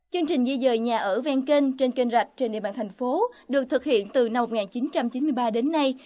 chương trình di rời nhà ở venkeng trên kênh rạch trên địa bàn thành phố được thực hiện từ năm một nghìn chín trăm chín mươi ba đến nay